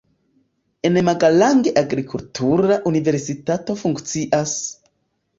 En Magalang agrikultura universitato funkcias.